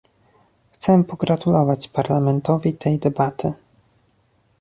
Chcę pogratulować Parlamentowi tej debaty